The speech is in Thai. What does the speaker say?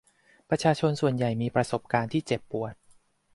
ประชาชนส่วนใหญ่มีประสบการณ์ที่เจ็บปวด